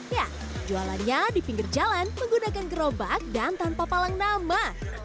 ya jualannya di pinggir jalan menggunakan gerobak dan tanpa palang nama